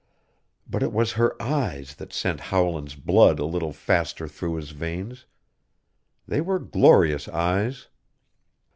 But it was her eyes that sent Howland's blood a little faster through his veins. They were glorious eyes.